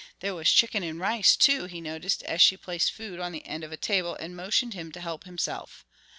There was chicken and rice, too, he noticed as she placed food on the end of a table and motioned him to help himself.